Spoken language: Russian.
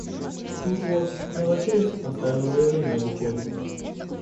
Тут вот Новосельцев оставил заявление об уходе.